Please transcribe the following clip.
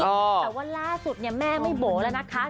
แต่ว่าล่าสุดแม่ไม่โบ๋ละนะคะ